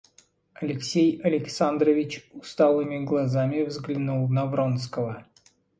Алексей Александрович усталыми глазами взглянул на Вронского.